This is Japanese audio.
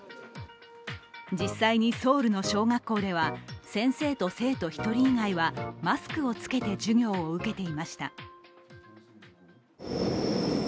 実際にソウルの小学校では先生と生徒１人以外はマスクを着けて授業を受けていました。